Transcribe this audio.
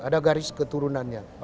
ada garis keturunannya